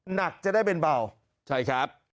หนักจะได้เป็นเบาใช่ครับ